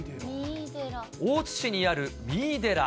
大津市にある三井寺。